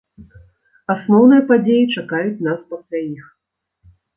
Асноўныя падзеі чакаюць нас пасля іх.